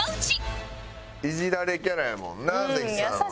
イジられキャラやもんな関さんは。